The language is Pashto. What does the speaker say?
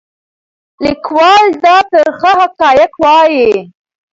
لیکوال دا ترخه حقایق وایي.